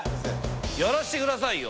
やらせてくださいよ。